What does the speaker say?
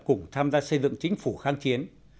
cùng tham gia xây dựng chính phủ kháng chiến